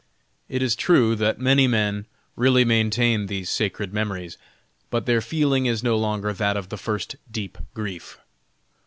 It is true that many men really maintain these sacred memories, but their feeling is no longer that of the first deep grief.